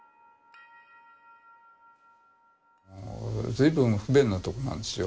随分不便なとこなんですよ。